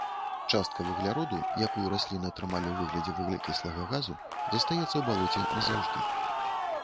Частка вугляроду, якую расліны атрымалі ў выглядзе вуглякіслага газу, застаецца ў балоце назаўжды.